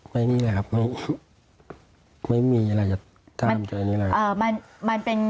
ไม่มีแหละครับไม่มีอะไรจะทามจากอันนี้แหละ